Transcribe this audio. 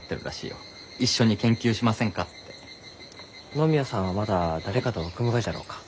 野宮さんはまた誰かと組むがじゃろうか？